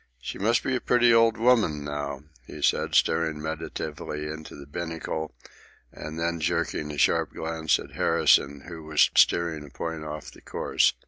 "She must be a pretty old woman now," he said, staring meditatively into the binnacle and then jerking a sharp glance at Harrison, who was steering a point off the course.